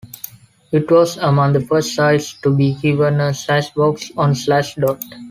It was among the first sites to be given a "Slashbox" on Slashdot.